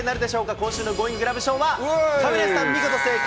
今週のゴーインググラブ賞は、亀梨さん、見事正解。